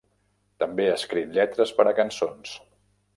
També ha escrit lletres per a cançons.